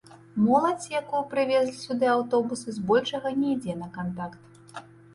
Моладзь, якую прывезлі сюды аўтобусы, збольшага не ідзе на кантакт.